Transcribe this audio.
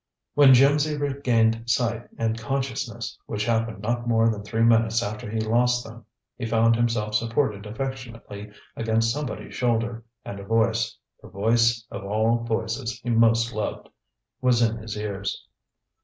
When Jimsy regained sight and consciousness, which happened not more than three minutes after he lost them, he found himself supported affectionately against somebody's shoulder, and a voice the Voice of all voices he most loved was in his ears.